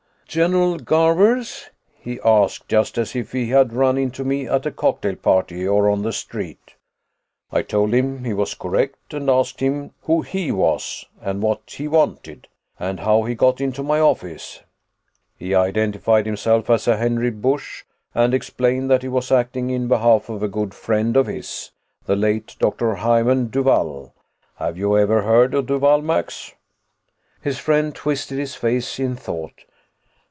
"'General Garvers?' he asked, just as if he had run into me at a cocktail party or on the street. "I told him he was correct, and asked him who he was and what he wanted. And how he got into my office. "He identified himself as a Henry Busch and explained that he was acting in behalf of a good friend of his, the late Dr. Hymann Duvall. Have you ever heard of Duvall, Max?" His friend twisted his face in thought.